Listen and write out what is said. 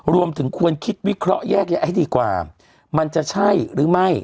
รวมถึงควรคิดวิเคราะห์แยกแยะให้ดีกว่ามันจะใช่หรือไม่